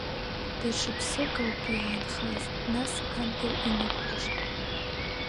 Даҽа ԥсык ауп иаанхаз, нас адгьыл инықәҳашт.